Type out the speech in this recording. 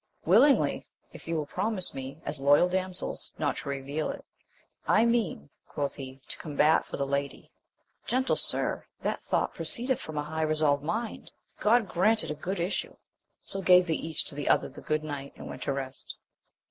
— Willingly, if you will promise me, as loyal damsels, not to reveal it, I mean, quoth he, to combat for the lady. Gentle sir, that thought proceedeth from a high resolved mind : God grant it a good issue ! So gave they each to other the good night, and went to rest.